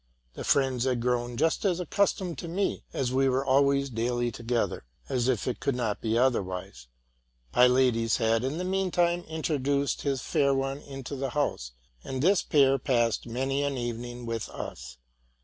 The friends had grown just as accustomed to me, and we were almost daily together, as if it could not be otherwise. Pylades had, in the mean time, introduced his fair one into the house ; and this pair passed many an evening with us.